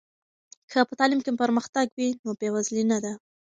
که په تعلیم کې پرمختګ وي، نو بې وزلي نه ده.